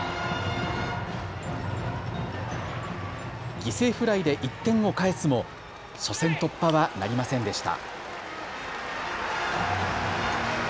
犠牲フライで１点を返すも初戦突破はなりませんでした。